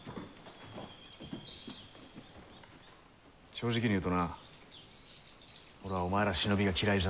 正直に言うとな俺はお前ら忍びが嫌いじゃった。